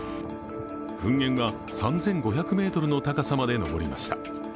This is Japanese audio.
噴煙は３５００ｍの高さまでのぼりました。